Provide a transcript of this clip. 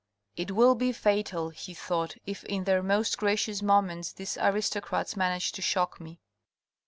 " It will be fatal," he thought " if, in their most gracious moments these aristocrats manage to shock me."